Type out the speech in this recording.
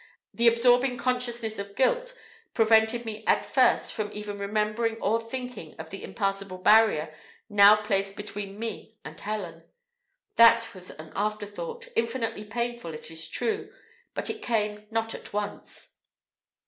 The absorbing consciousness of guilt prevented me at first from even remembering or thinking of the impassable barrier now placed between me and Helen. That was an after thought, infinitely painful, it is true, but it came not at once.